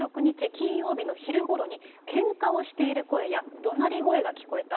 金曜日の昼ごろに、けんかをしている声や、どなり声が聞こえた。